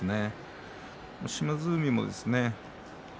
島津海もですね